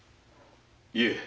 いえ。